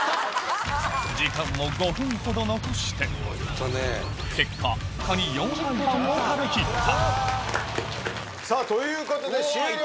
時間を５分ほど残して結果カニ４杯半を食べ切ったさぁということで。